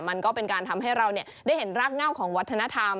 มันก็เป็นการทำให้เราได้เห็นรากเง่าของวัฒนธรรม